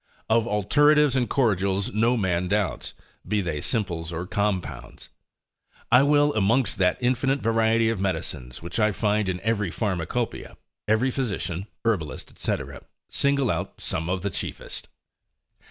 Of alteratives and cordials no man doubts, be they simples or compounds. I will amongst that infinite variety of medicines, which I find in every pharmacopoeia, every physician, herbalist, &c., single out some of the chiefest.